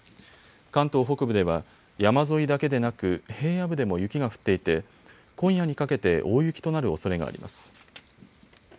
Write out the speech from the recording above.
関東北部では山沿いだけでなく平野部でも雪が降っていて今夜にかけて大雪となるおそれがあります。